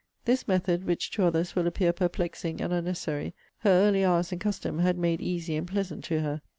This method, which to others will appear perplexing and unnecessary, her early hours, and custom, had made easy and pleasant to her.